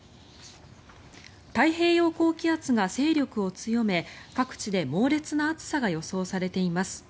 太平洋高気圧が勢力を強め各地で猛烈な暑さが予想されています。